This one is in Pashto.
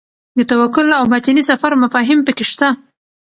د توکل او باطني سفر مفاهیم پکې شته.